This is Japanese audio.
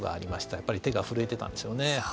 やっぱり手が震えていたんでしょうね。